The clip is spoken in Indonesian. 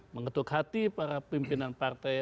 mengetuk hati para pimpinan partai